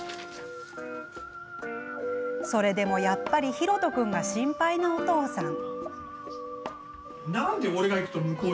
それでもやっぱり、ひろと君が心配なお父さん。